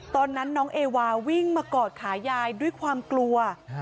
ตอนนั้นน้องเอวาวิ่งมากอดขายายด้วยความกลัว